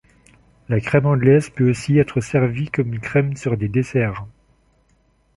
La crème anglaise peut aussi être servie comme crème sur des desserts.